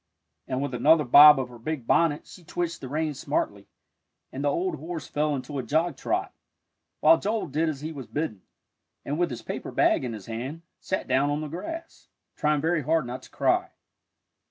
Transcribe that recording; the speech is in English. And with another bob of her big bonnet she twitched the reins smartly, and the old horse fell into a jog trot, while Joel did as he was bidden, and with his paper bag in his hand, sat down on the grass, trying very hard not to cry.